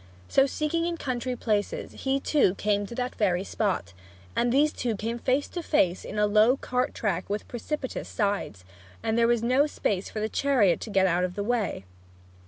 So seeking in country places, he too came to that very spot. And these two came face to face in a low cart track with precipitous sides, where there was no space for a chariot to get out of the way!